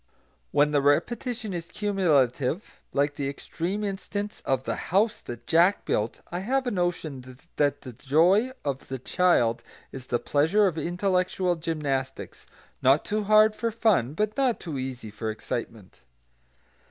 When the repetition is cumulative, like the extreme instance of The House that Jack Built, I have a notion that the joy of the child is the pleasure of intellectual gymnastics, not too hard for fun, but not too easy for excitement.